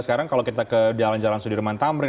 sekarang kalau kita ke jalan jalan sudirman tamrin